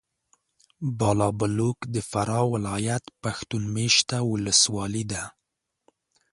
بالابلوک د فراه ولایت پښتون مېشته ولسوالي ده.